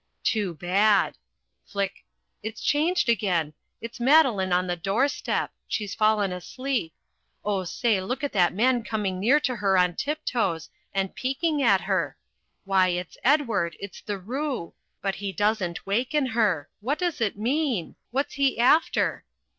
Too bad flick it's changed again it's Madeline on the doorstep she's fallen asleep oh, say, look at that man coming near to her on tiptoes, and peeking at her why, it's Edward, it's the Roo but he doesn't waken her what does it mean? What's he after?